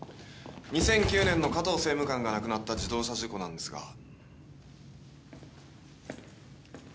２００９年の加藤政務官が亡くなった自動車事故なんですが。